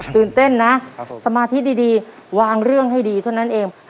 ตื่นเต้นนะสมาธิดีวางเรื่องให้ดีเท่านั้นเอง